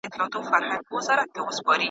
هغه د هرات په هر ډګر کې خپله بريا ثابته کړه.